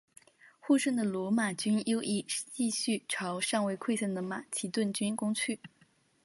获胜的罗马军右翼继续朝尚未溃散的马其顿军攻去。